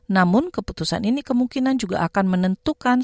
namun keputusan ini kemungkinan juga akan menentukan